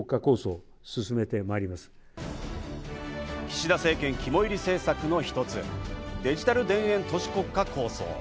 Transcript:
岸田政権肝いり政策の一つ、デジタル田園都市国家構想。